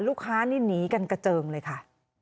นี่หนีกันกระเจิงเลยค่ะ